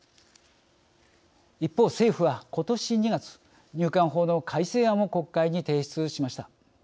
一方、政府は、ことし２月入管法の改正案を国会に提出しました。